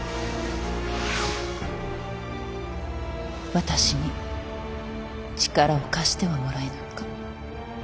私に力を貸してはもらえぬか？